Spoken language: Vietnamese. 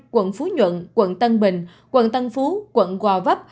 quận phú nhuận quận tân bình quận tân phú quận gò vấp